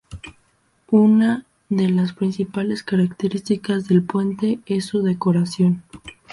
Una de las principales características del puente es su decoración.